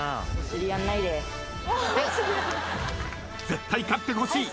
絶対勝ってほしい。